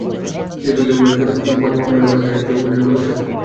শেষ বিকেলে ব্যাট করতে নেমে পঞ্চম ওভারেই ভারত হারিয়ে ফেলেছে ওপেনার লোকেশ রাহুলকে।